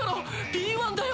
Ｂ１だよ